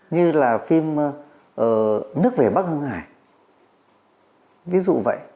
như là phim nước về bắc hương hải ví dụ vậy